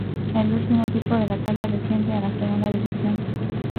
El último equipo de la tabla desciende a la Segunda División.